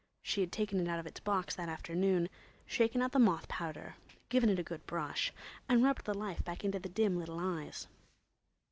She had taken it out of its box that afternoon, shaken out the moth powder, given it a good brush, and rubbed the life back into the dim little eyes.